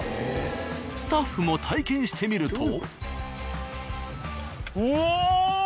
スタッフも体験してみると。